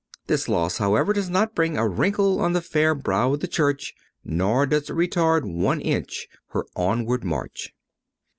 This loss, however, does not bring a wrinkle on the fair brow of the Church, nor does it retard one inch her onward march.